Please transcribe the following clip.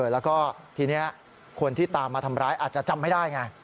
แล้วก็ทีนี้คนที่ตามมาทำร้ายอาจจะจำไม่ได้ไง